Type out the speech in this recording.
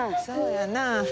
そうやなあ。